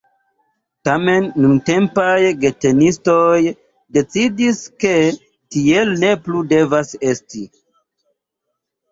Tamen nuntempaj getenisistoj decidis, ke tiel ne plu devas esti.